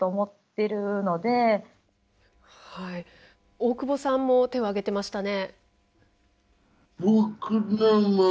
大久保さんも手を上げてましたね。